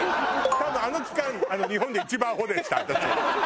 多分あの期間日本で一番アホでした私。